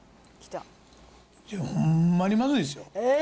ほんまにまずいですよ。